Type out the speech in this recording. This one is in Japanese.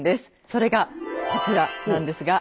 それがこちらなんですが。